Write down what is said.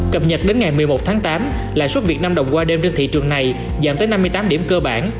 cập nhật đến ngày một mươi một tháng tám lãi suất việt nam đồng qua đêm trên thị trường này giảm tới năm mươi tám điểm cơ bản